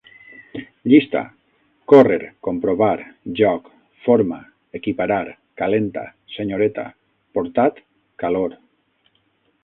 Llista: córrer, comprovar, joc, forma, equiparar, calenta, senyoreta, portat, calor